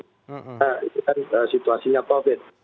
nah itu kan situasinya covid